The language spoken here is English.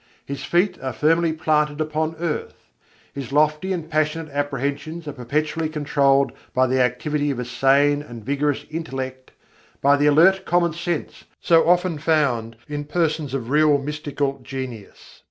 His feet are firmly planted upon earth; his lofty and passionate apprehensions are perpetually controlled by the activity of a sane and vigorous intellect, by the alert commonsense so often found in persons of real mystical genius.